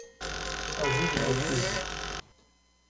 Ajude meu filho